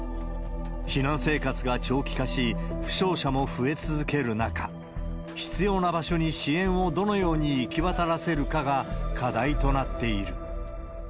避難生活が長期化し、負傷者も増え続ける中、必要な場所に支援をどのように行き渡らせるかが課題となっている。